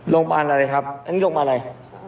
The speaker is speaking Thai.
โรงพยาบาลอะไรครับนี่โรงพยาบาลอะไร